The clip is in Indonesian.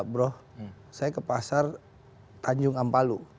bro saya ke pasar tanjung ampalu